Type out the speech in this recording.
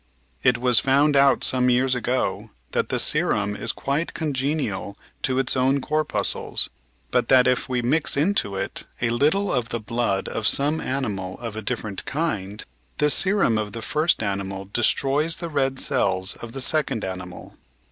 It was found out some years ago that the serum is quite congenial to its own corpuscles, but that if we mix into it a little of the blood of some animal of a di£Ferent kind, the serum of the first animal destroys the red cells of the second animal.